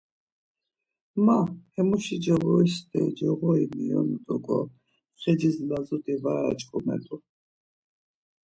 Ma hemuşi coğori steri, coğori miyonut̆uǩo ğecis lazuti var aç̌ǩomet̆u.